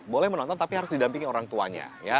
boleh menonton tapi harus didampingi orang tuanya